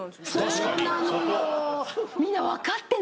そうなのよ。